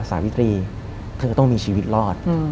สาวิตรีเธอต้องมีชีวิตรอด